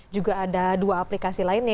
juga ada dua aplikasi lainnya